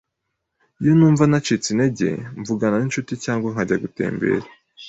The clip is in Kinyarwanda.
Iyo numva nacitse intege, mvugana n'inshuti cyangwa nkajya gutembera.